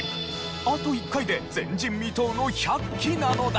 あと１回で前人未到の１００期なのだ。